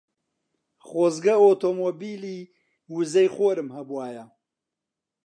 خۆزگە ئۆتۆمۆبیلی وزەی خۆرم هەبوایە.